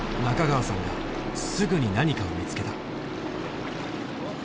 中川さんがすぐに何かを見つけた。